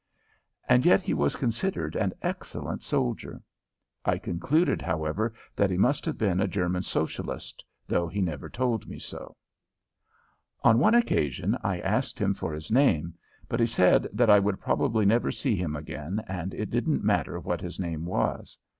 And yet he was considered an excellent soldier. I concluded, however, that he must have been a German Socialist, though he never told me so. On one occasion I asked him for his name, but he said that I would probably never see him again and it didn't matter what his name was.